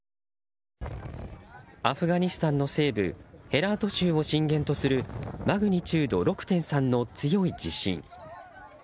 アフガニスタンの西部ヘラート州を震源とするマグニチュード６．３の強い地震。